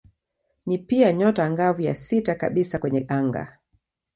Ni pia nyota angavu ya sita kabisa kwenye anga.